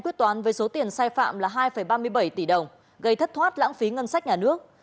quyết toán về số tiền sai phạm là hai ba mươi bảy tỷ đồng gây thất thoát lãng phí ngân sách nhà nước